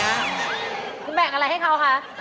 คุณแบ่งอะไรให้เขาคะ